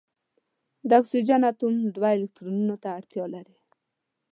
د اکسیجن اتوم دوه الکترونونو ته اړتیا لري.